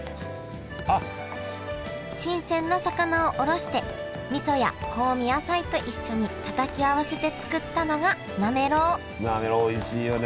新鮮な魚をおろしてみそや香味野菜と一緒にたたき合わせて作ったのがなめろうおいしいよね。